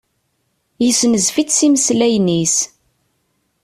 Yessenzef-itt s yimeslayen-is.